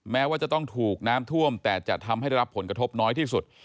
แม้ว่าจะต้องถูกน้ำท่วมแต่จะทำให้ได้รับผลกระทบน้อยที่สุด